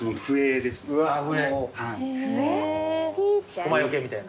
熊よけみたいな？